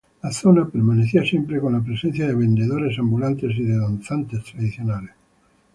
La zona permanecía siempre con la presencia de vendedores ambulantes y de danzantes tradicionales.